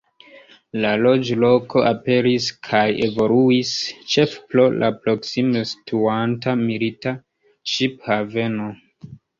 La loĝloko aperis kaj evoluis ĉefe pro la proksime situanta milita ŝip-haveno.